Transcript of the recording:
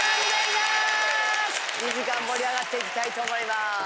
２時間盛り上がっていきたいと思います。